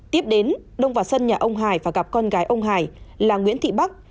tiếp đến đông vào sân nhà ông hải và gặp con gái ông hải là nguyễn thị bắc